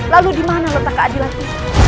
lalu dimana letak keadilan itu